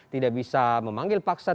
tidak bisa memanggil paksa